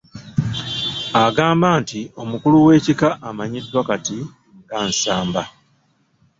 Agamba nti omukulu w’ekika amanyiddwa kati nga Nsamba.